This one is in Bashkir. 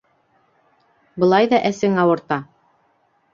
Былай ҙа әсең ауырта!